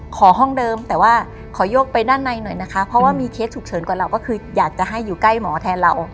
ห้องเดิมแต่ว่าขอยกไปด้านในหน่อยนะคะเพราะว่ามีเคสฉุกเฉินกว่าเราก็คืออยากจะให้อยู่ใกล้หมอแทนเรา